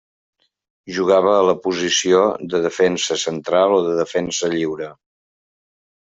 Jugava a la posició de defensa central o de defensa lliure.